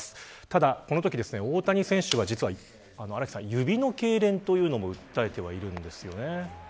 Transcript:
ただこのとき、大谷選手は実は指のけいれんというのも訴えているんですよね。